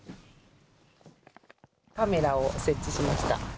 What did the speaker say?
カメラを設置しました。